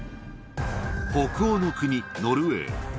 北欧の国、ノルウェー。